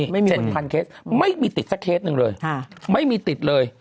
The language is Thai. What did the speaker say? ๗๐๐เคสไม่มีติดสักเคสหนึ่งเลยไม่มีติดเลย